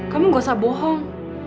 kamu gak usah bohong